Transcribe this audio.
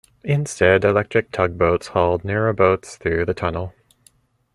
Instead, electric tug boats hauled narrowboats through the tunnel.